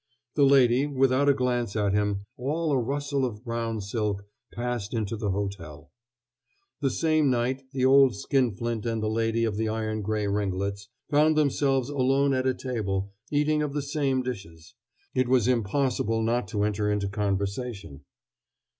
The lady, without a glance at him, all a rustle of brown silk, passed into the hotel. The same night the old skinflint and the lady of the iron gray ringlets found themselves alone at a table, eating of the same dishes. It was impossible not to enter into conversation.